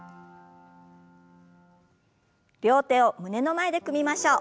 両手を胸の前で組みましょう。